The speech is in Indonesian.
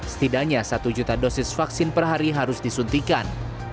setidaknya satu juta dosis vaksin per hari harus disuntikan